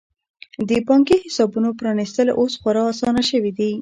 د بانکي حسابونو پرانیستل اوس خورا اسانه شوي دي.